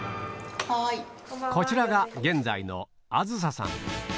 こちらが現在の亜津紗さん